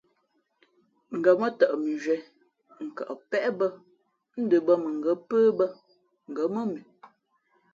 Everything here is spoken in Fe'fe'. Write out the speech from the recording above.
Ngα̌ mά tαʼ mʉnzhwīē n kαʼ pə̄ bᾱ ń ndα bᾱ mα ngα̌ pə̄ bᾱ ngα̌ mά mʉ.